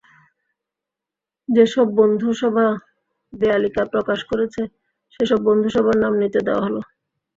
যেসব বন্ধুসভা দেয়ালিকা প্রকাশ করেছে, সেসব বন্ধুসভার নাম নিচে দেওয়া হলো।